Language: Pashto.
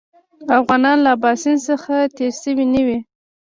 افغانان له اباسین څخه تېر شوي نه وي.